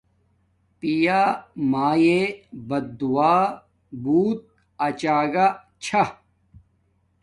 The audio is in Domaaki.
پیا مایے بد دعا بوت اچاگا چھا